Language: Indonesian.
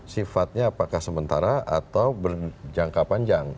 sifatnya apakah sementara atau berjangka panjang